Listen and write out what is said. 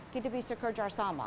kita bisa kerja sama